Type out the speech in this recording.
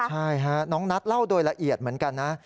ใช่ฮะน้องนัทเล่าโดยละเอียดเหมือนกันนะ